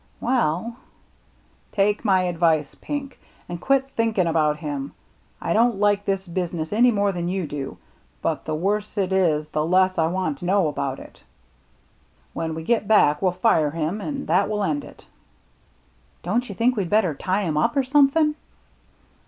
"Well —"" Take my advice, Pink, and quit thinking about him. I don't like this business any more than you do, but the worse it is the less I want to know about it. When we get back we'll fire him, and that will end it." " Don't you think we'd better tie him up, or somethin'